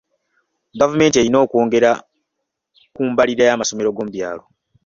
Gavumenti erina okwongera ku mbalirira y'amasomero ag'omubyalo.